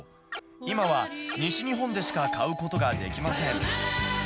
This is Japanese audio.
今は西日本でしか買うことができません。